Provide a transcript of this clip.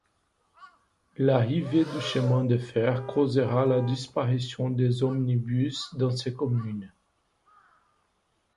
L'arrivée du chemin de fer causera la disparition des omnibus dans ces communes.